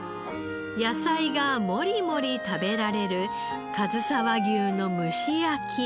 野菜がもりもり食べられるかずさ和牛の蒸し焼き。